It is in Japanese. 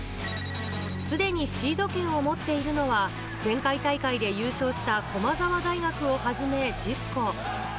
すでにシード権を持っているのは、前回大会で優勝した駒澤大学をはじめ、１０校。